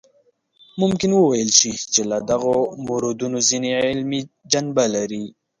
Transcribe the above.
ممکن وویل شي چې له دغو موردونو ځینې علمي جنبه لري.